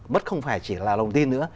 mất không phải chỉ là lòng tin nữa